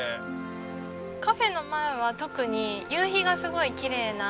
カフェの前は特に夕日がすごいきれいな所なので。